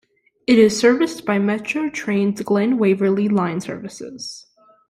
It is serviced by Metro Trains' Glen Waverley line services.